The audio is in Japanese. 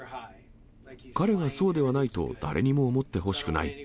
彼がそうではないと誰にも思ってほしくない。